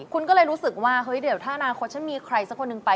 คุณก็เลยรู้สึกว่าเฮ้ยเดี๋ยวถ้าอนาคตฉันมีใครสักคนหนึ่งไป